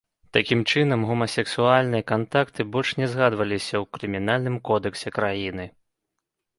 Такім чынам, гомасексуальныя кантакты больш не згадваліся ў крымінальным кодэксе краіны.